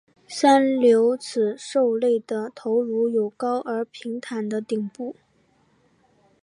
三瘤齿兽类的头颅有高而平坦的顶部。